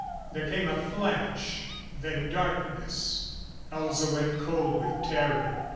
There came a flash; then darkness. Elza went cold with terror.